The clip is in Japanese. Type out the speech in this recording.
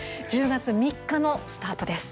１０月３日のスタートです。